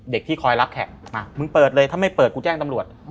ที่คอยรับแขกมามึงเปิดเลยถ้าไม่เปิดกูแจ้งตำรวจ